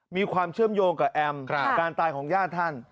มีความเชื่อมโยงกับแอมการตายของญาติท่าน